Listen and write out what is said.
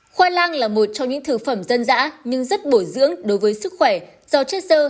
khoai lang là một trong những thực phẩm dân dã nhưng rất bổ dưỡng đối với sức khỏe do chất sơ